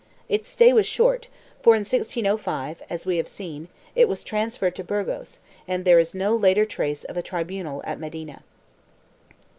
Its stay was short, for in 1605, as we have seen, it was transferred to Burgos and there is no later trace of a tribunal at Medina.